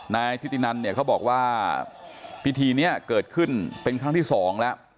นายทิตินันเนี่ยเขาบอกว่าพิธีนี้เกิดขึ้นเป็นครั้งที่สองแล้ว